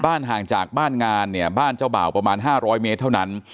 ห่างจากบ้านงานเนี่ยบ้านเจ้าบ่าวประมาณ๕๐๐เมตรเท่านั้น